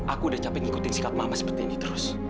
aku udah capek ngikutin sikat mama seperti ini terus